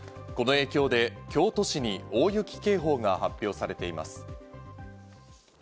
この影響で京都市に大雪警報が発表されています。